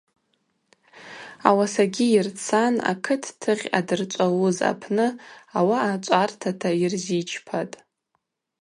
Ауасагьи йырцан акыт тыгъь ъадырчӏвалуз апны ауаъа чӏвартата йырзичпатӏ.